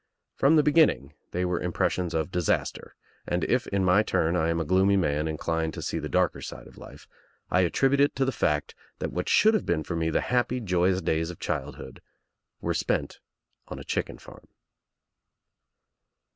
From the beginning they were impressions of disaster and if, in my turn, I am a gloomy man Inclined to sec the darker side of life, I attribute it to the fact that what should have been for me the happy joyous days of childhood were spent on a chicken farm.